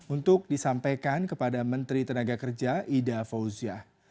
untuk disampaikan kepada menteri tenaga kerja ida fauzia